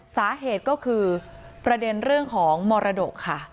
สาเหตุก็คือประเด็นเรื่องของมรดกค่ะ